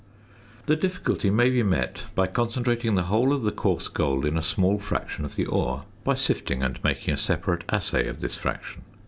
The difficulty may be met by concentrating the whole of the coarse gold in a small fraction of the ore, by sifting and making a separate assay of this fraction.